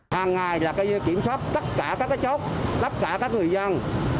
hàng ngày là kiểm soát tất cả các chốt lắp xả các người dân